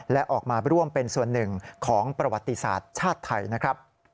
และออกมาร่วมเป็นส่วนหนึ่งของประวัติศาสตร์ชาติไทยนะครับ